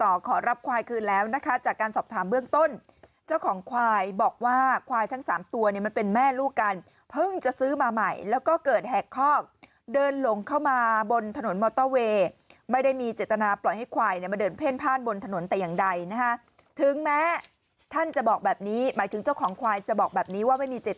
ขอรับควายคืนแล้วนะคะจากการสอบถามเบื้องต้นเจ้าของควายบอกว่าควายทั้งสามตัวเนี่ยมันเป็นแม่ลูกกันเพิ่งจะซื้อมาใหม่แล้วก็เกิดแหกคอกเดินหลงเข้ามาบนถนนมอเตอร์เวย์ไม่ได้มีเจตนาปล่อยให้ควายเนี่ยมาเดินเพ่นผ้านบนถนนแต่อย่างใดนะฮะถึงแม้ท่านจะบอกแบบนี้หมายถึงเจ้าของควายจะบอกแบบนี้ว่าไม่มีเจ